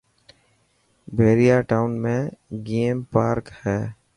پهريان ٽاون ۾ گيم پارڪ هي.